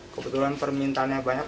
kebetulan permintaannya banyak